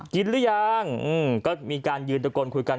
หรือยังก็มีการยืนตะโกนคุยกัน